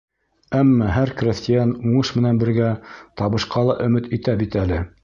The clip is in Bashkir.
Әммә һәр крәҫтиән уңыш менән бергә табышҡа ла өмөт итә бит әле.